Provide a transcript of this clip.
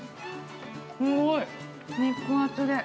◆すごい肉厚で。